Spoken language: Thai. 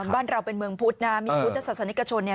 บ้านเราเป็นเมืองพุทธนะมีพุทธศาสนิกชนเนี่ย